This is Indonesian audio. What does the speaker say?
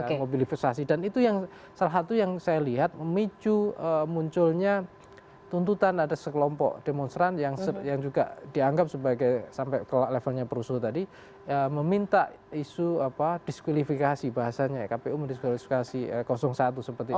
ada mobilisasi dan itu yang salah satu yang saya lihat memicu munculnya tuntutan ada sekelompok demonstran yang juga dianggap sebagai sampai ke levelnya perusul tadi meminta isu diskualifikasi bahasanya ya kpu mendiskualifikasi satu seperti itu